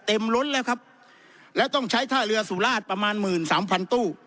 ล้นแล้วครับแล้วต้องใช้ท่าเรือสุราชประมาณหมื่นสามพันตู้